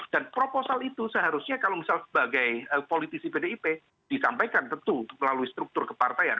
dan proposal itu seharusnya kalau misalnya sebagai politisi pdip disampaikan tentu melalui struktur kepartaian